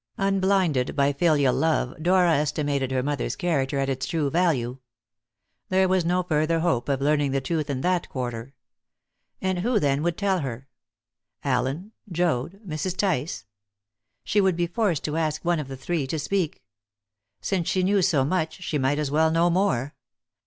Unblinded by filial love, Dora estimated her mother's character at its true value. There was no further hope of learning the truth in that quarter. And who, then, would tell her Allen, Joad, Mrs. Tice? She would be forced to ask one of the three to speak. Since she knew so much, she might as well know more.